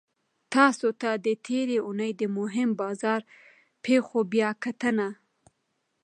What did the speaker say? تاسو ته د تیرې اونۍ د مهمو بازار پیښو بیاکتنه